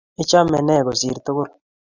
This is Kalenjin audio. Ichame ne kosir tukul?